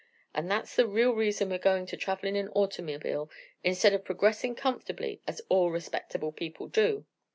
And that's the real reason we're going to travel in an automobile instead of progressing comfortably as all respectable people do."